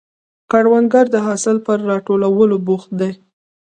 کروندګر د حاصل پر راټولولو بوخت دی